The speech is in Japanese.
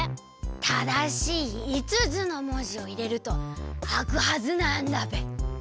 ただしい５つのもじをいれるとあくはずなんだべ。